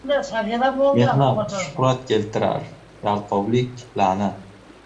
Mehnat shuhrat keltirar, yalqovlik — la'nat.